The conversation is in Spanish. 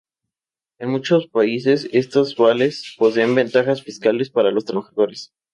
En muchos países estos vales poseen ventajas fiscales para los trabajadores.